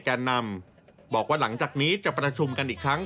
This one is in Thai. การอิสระภาพได้ประถุงกันอีกครั้ง